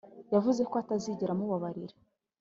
yavuze ko atazigera amubabarira